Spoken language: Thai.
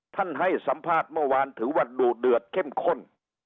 ให้สัมภาษณ์เมื่อวานถือว่าดูเดือดเข้มข้น